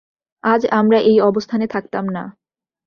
আজ আমরা এই অবস্থানে থাকতাম না।